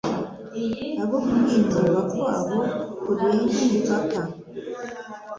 abo kwinuba kwabo kurenga imipaka